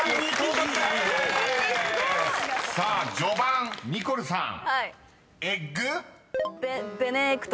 ［さあ序盤ニコルさん「エッグ」］